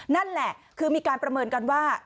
นั่นแหละคือมีการประเมินกันว่า